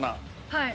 はい。